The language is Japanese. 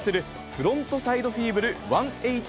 フロントサイドフィーブル１８０